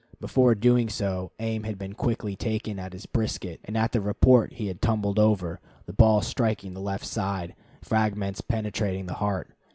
Before doing so, aim had been quickly taken at his brisket, and at the report he had tumbled over, the ball striking the left side, fragments penetrating the heart.